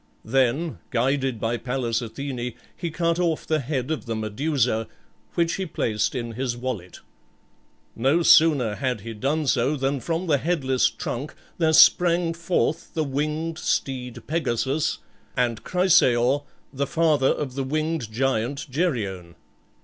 Then, guided by Pallas Athene, he cut off the head of the Medusa, which he placed in his wallet. No sooner had he done so than from the headless trunk there sprang forth the winged steed Pegasus, and Chrysaor, the father of the winged giant Geryon.